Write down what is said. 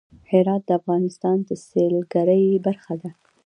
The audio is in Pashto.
هرات د افغانستان د سیلګرۍ برخه ده.